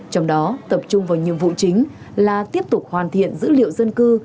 trong đó tập trung vào nhiệm vụ chính là tiếp tục hoàn thiện dữ liệu dân cư